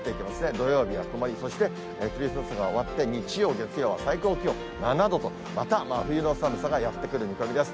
土曜日は曇り、そしてクリスマスが終わって、日曜、月曜、最高気温７度とまた真冬の寒さがやって来る見込みです。